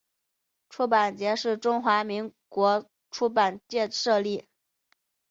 出版节是中华民国出版界设立。